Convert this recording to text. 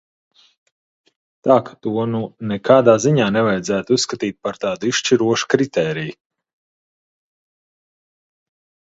Tā ka to nu nekādā ziņā nevajadzētu uzskatīt par tādu izšķirošu kritēriju.